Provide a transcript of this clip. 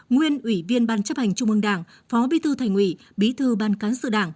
nguyên ủy viên ban chấp hành trung ương đảng phó bí thư thành ủy bí thư ban cán sự đảng